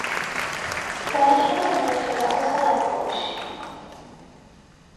Meesho nineettela osaya fooshi.